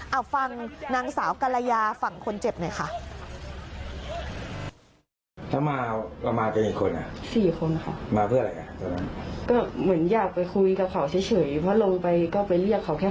เอาฟังนางสาวกรยาฝั่งคนเจ็บหน่อยค่ะ